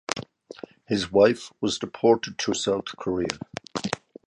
His wife was deported to South Korea.